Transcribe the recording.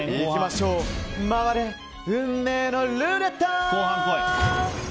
回れ、運命のルーレット！